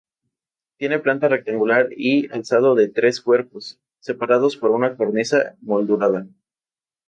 Tiene planta rectangular y alzado de tres cuerpos, separados por una cornisa moldurada.